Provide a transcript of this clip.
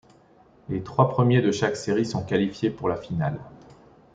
Les trois premiers de chaque série sont qualifiés pour la finale.